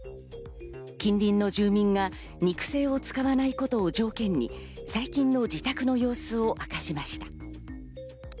近隣の住民が肉声を使わないことを条件に最近の自宅の様子を明かしました。